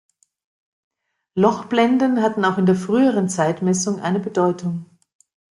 Lochblenden hatten auch in der früheren Zeitmessung eine Bedeutung.